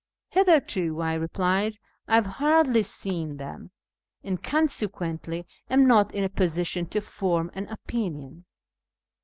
"" Hitherto," I replied, " I have hardly seen them, and consequently am not in a position to form an opinion."